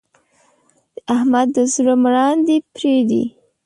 د احمد د زړه مراندې پرې دي.